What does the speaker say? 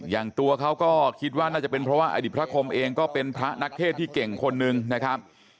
อย่างตัวเขาก็คิดว่าน่าจะเป็นเพราะว่าอดีตพระคมเองก็เป็นพระนักเทศที่เก่งคนนึงนะครับ